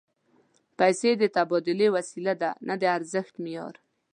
پیسې د تبادلې وسیله ده، نه د ارزښت معیار